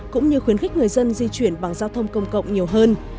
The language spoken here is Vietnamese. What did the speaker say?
cũng như khuyến khích người dân di chuyển bằng giao thông công cộng nhiều hơn